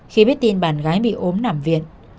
khi biết tin bạn gái bị ốm nằm viện